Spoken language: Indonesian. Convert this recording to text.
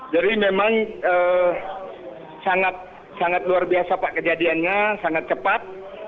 jadi memang sangat luar biasa pak kejadiannya sangat cepat